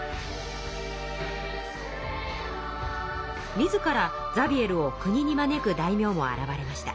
自らザビエルを国に招く大名も現れました。